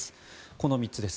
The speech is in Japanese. この３つです。